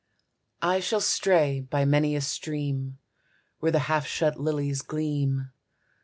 I shall stray by many a stream, Where the half shut lilies gleam.